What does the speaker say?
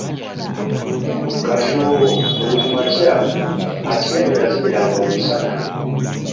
Kati olwo buli kumakya, Atieno yazinira nga omusana.